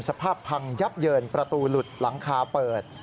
สภาพพังยับเยินประตูหลุดหลังคาเปิด